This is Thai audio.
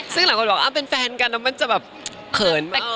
ซึ่งหลังว่าก็เป็นแฟนกันแล้วมันจะแบบเขินบ้าง